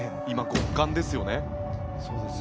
今、極寒ですよね。